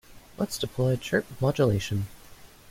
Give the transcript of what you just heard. Let's deploy chirp modulation.